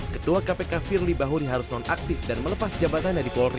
ketua kpk firly bahuri harus nonaktif dan melepas jabatannya di polri